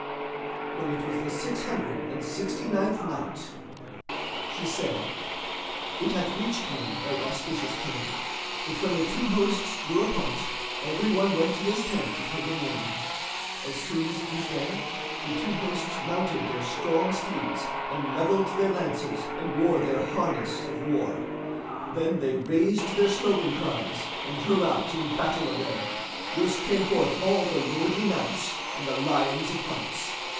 When it was the Six Hundred and Sixty ninth Night, She said, It hath reached me, O auspicious King, that when the two hosts drew apart, every one went to his tent until the morning. As soon as it was day, the two hosts mounted their strong steeds and levelled their lances and wore their harness of war; then they raised their slogan cries and drew out in battle array, whilst came forth all the lordly knights and the lions of fights.